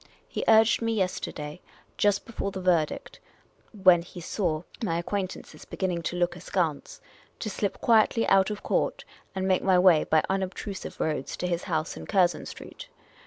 He urged me yesterday, just before the verdict (when he saw my acquaintances beginning to look askance), to slip quietly out of court, and make my way by unobtrusive roads to his house in Curzon Street.